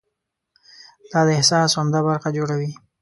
دا د احساس عمده برخه جوړوي.